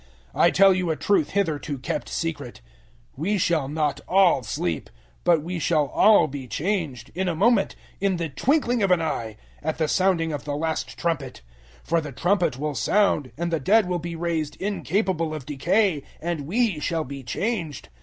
015:051 I tell you a truth hitherto kept secret: we shall not all sleep, but we shall all be changed, 015:052 in a moment, in the twinkling of an eye, at the sounding of the last trumpet; for the trumpet will sound, and the dead will be raised incapable of decay, and *we* shall be changed.